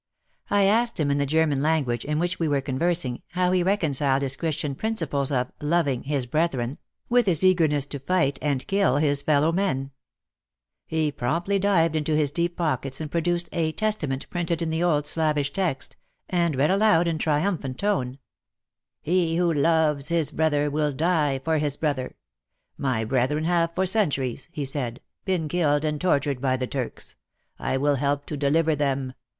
I asked him in the German lan guage, in which we were converging, how he reconciled his Christian principles of 'Moving" his brethren with his eagerness to fight and kill his fellow men ? He promptly dived into his deep pockets and produced a Testament printed in the old Slavish text, and read aloud in triumphant tone, "He who loves his brother will die for his brother." "My brethren have for centuries," he said, " been killed and tortured by the Turks. I will help to deliver them.